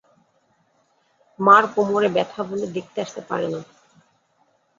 মার কোমরে ব্যথা বলে দেখতে আসতে পারে না।